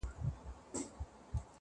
• يې ياره شرموه مي مه ته هرڅه لرې ياره.